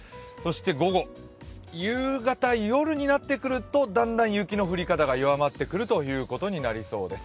午後、夕方、夜になってくるとだんだん雪の降り方が弱まってくることになりそうです。